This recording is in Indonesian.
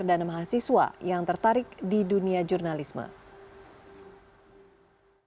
keduanya disambut antusias oleh peserta yang sebagian besar kalangan pelajar dan mahasiswa saat mengikuti sesi tanya jawab